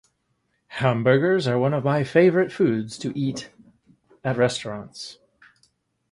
Hamburgers are one of my favorite foods to eat at restaurants.